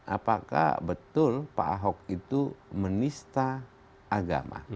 apakah betul pak ahok itu menista agama